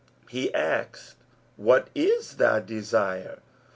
He asked, 'What is thy desire?'